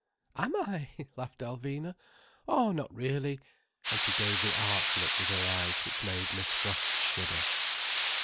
"Am I?" laughed Alvina. "Oh, not really." And she gave the arch look with her eyes, which made Miss Frost shudder.